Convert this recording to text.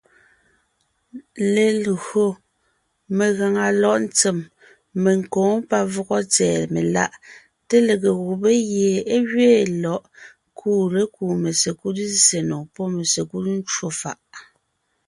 Legÿo megàŋa lɔ̌ʼ ntsèm, menkǒ, pavɔgɔ tsɛ̀ɛ meláʼ, té lege gubé gie é gẅeen lɔ̌ʼ kuʼu lékúu mesekúd zsè nò pɔ́ mesekúd ncwò fàʼ.